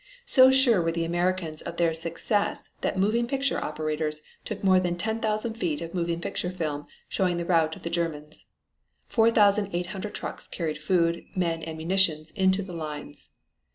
So sure were the Americans of their success that moving picture operators took more than 10,000 feet of moving picture film showing the rout of the Germans. Four thousand eight hundred trucks carried food, men and munitions into the lines.